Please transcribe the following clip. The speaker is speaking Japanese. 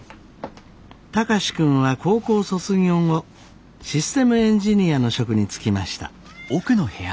貴司君は高校卒業後システムエンジニアの職に就きました。